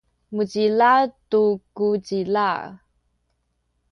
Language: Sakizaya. muculal tu ku cilal